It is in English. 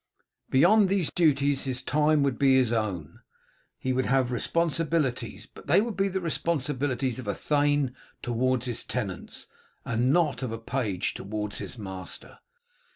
Beyond these duties his time would be his own. He would have responsibilities, but they would be the responsibilities of a thane towards his tenants, and not of a page towards his master.